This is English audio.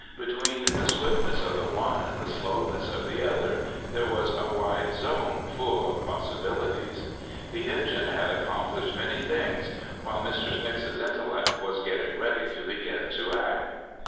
Between the swiftness of the one and the slowness of the other, there was a wide zone full of possibilities. The engine had accomplished many things while Mr. Smix's intellect was getting ready to begin to act.